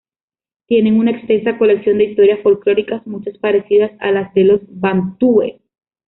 Tienen una extensa colección de historias folclóricas, muchas parecidas a las de los bantúes.